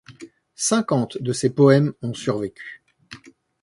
Cinquante de ses poèmes ont survécu.